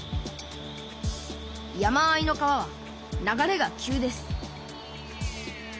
山あいの川は流れが急です